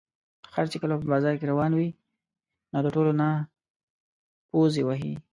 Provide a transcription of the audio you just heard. خر چې کله په بازار کې روان وي، نو د ټولو نه پوزې وهي.